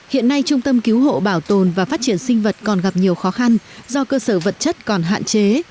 hiện nay trung tâm cứu hộ bảo tồn và phát triển sinh vật còn gặp nhiều khó khăn do cơ sở vật chất còn hạn chế